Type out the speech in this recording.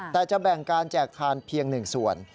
แต่จะแบ่งการแจกทานเพียง๑ส่วน